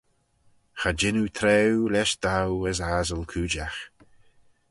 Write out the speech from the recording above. Cha jean oo traaue lesh dow as assyl cooidjagh.